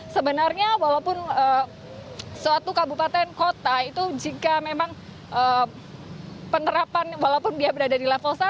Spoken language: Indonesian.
sebenarnya walaupun suatu kabupaten kota itu jika memang penerapan walaupun dia berada di level satu